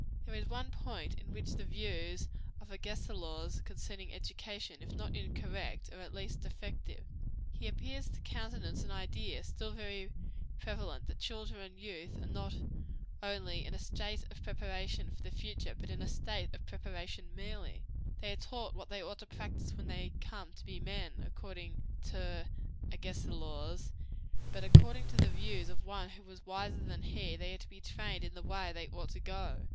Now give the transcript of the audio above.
There is one point in which the views of Agesilaus concerning education, if not incorrect, are at least defective. He appears to countenance an idea, still very prevalent, that children and youth are not only in a state of preparation for the future, but a state of preparation, merely. They are to be taught what they ought to practise when they come to be men, according to Agesilaus; but according to the views of one who was wiser than he, they are to be trained in the way they should go.